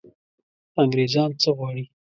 انګرېزان څه غواړي.